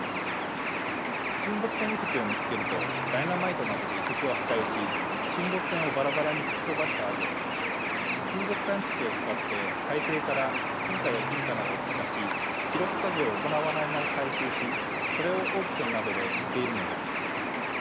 沈没船遺跡を見つけるとダイナマイトなどで遺跡を破壊し沈没船をバラバラに吹き飛ばしたあと金属探知機を使って海底から金貨や銀貨などを探し記録作業を行わないまま回収しそれをオークションなどで売っているのです。